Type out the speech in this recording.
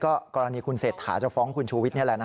กรณีคุณเศรษฐาจะฟ้องคุณชูวิทย์นี่แหละนะ